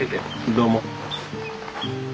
どうも。